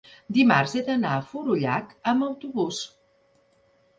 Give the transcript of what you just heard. dimarts he d'anar a Forallac amb autobús.